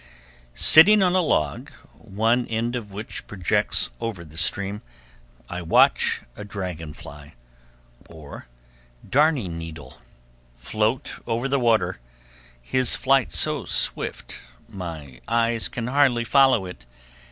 Sitting on a log, one end of which projects over the stream, I watch a dragon fly, or darning needle, float over the water, his flight so swift my eyes can hardly follow it.